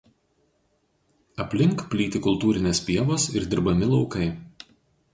Aplink plyti kultūrinės pievos ir dirbami laukai.